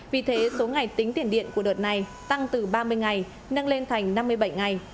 vì thế số ngày tính tiền điện của đợt này tăng từ ba mươi ngày nâng lên thành năm mươi bảy ngày